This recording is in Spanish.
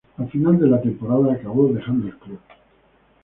Al final de la temporada acabó dejando el club.